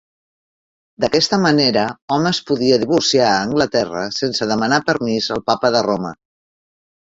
D'aquesta manera hom es podia divorciar a Anglaterra sense demanar permís al Papa de Roma.